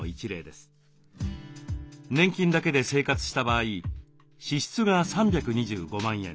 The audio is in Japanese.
年金だけで生活した場合支出が３２５万円。